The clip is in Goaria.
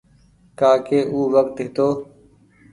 ڪآ ڪي او وکت هيتو۔